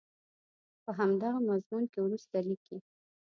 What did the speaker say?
په همدغه مضمون کې وروسته لیکي.